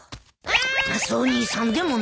マスオ兄さんでもない。